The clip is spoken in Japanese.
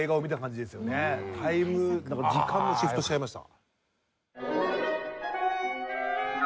タイム時間をシフトしちゃいました。